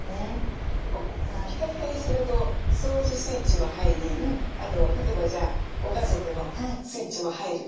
ピカピカにすると掃除スイッチも入りあと例えばご家族のスイッチも入る。